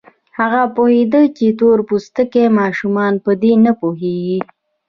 هغه پوهېده چې تور پوستي ماشومان په دې نه پوهېږي.